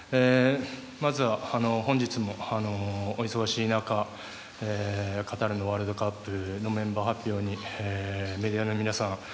まずは本日もお忙しい中カタールのワールドカップのメンバー発表にメディアの皆さん